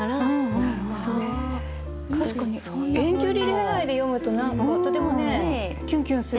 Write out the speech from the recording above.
確かに遠距離恋愛で読むと何かとてもキュンキュンする。